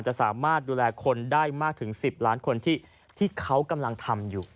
จะสามารถดูแลคนได้มากถึง๑๐ล้านคนที่เขากำลังทำอยู่